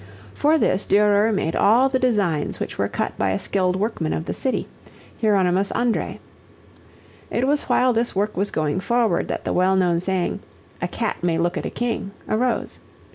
For this Durer made all the designs which were cut by a skilled workman of the city, Hieronymus Andræ. It was while this work was going forward that the well known saying, "A cat may look at a king," arose.